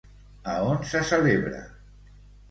A on se celebra?